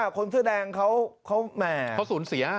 เขาสูญเสีย